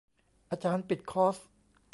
อาจารย์ปิดคอร์ส